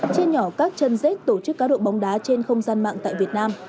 chia nhỏ các chân dết tổ chức cá độ bóng đá trên không gian mạng tại việt nam